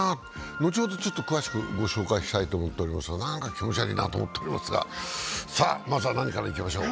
後ほど詳しくご紹介したいと思っておりますがなんか気持ち悪いなと思っておりますが、まずは何からいきましょう。